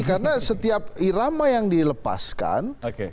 karena setiap irama yang dilepaskan